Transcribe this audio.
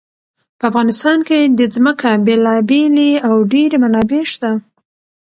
په افغانستان کې د ځمکه بېلابېلې او ډېرې منابع شته.